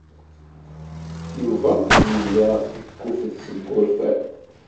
Yuba yella yekkuffet seg wurfan.